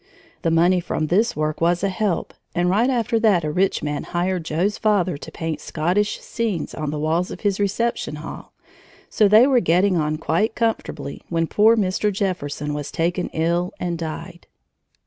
The money from this work was a help, and right after that a rich man hired Joe's father to paint Scottish scenes on the walls of his reception hall, so they were getting on quite comfortably when poor Mr. Jefferson was taken ill and died.